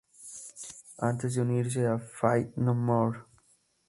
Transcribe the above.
Antes de unirse a Faith No More.